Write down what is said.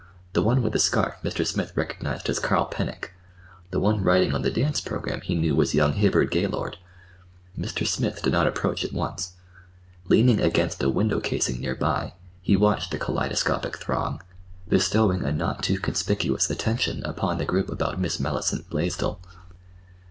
The one with the scarf Mr. Smith recognized as Carl Pennock. The one writing on the dance programme he knew was young Hibbard Gaylord. Mr. Smith did not approach at once. Leaning against a window casing near by, he watched the kaleidoscopic throng, bestowing a not too conspicuous attention upon the group about Miss Mellicent Blaisdell.